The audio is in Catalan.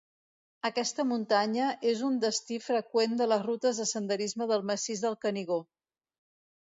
Aquesta muntanya és un destí freqüent de les rutes de senderisme del massís del Canigó.